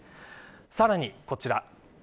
さらにこちら。